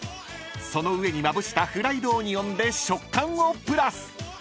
［その上にまぶしたフライドオニオンで食感をプラス！］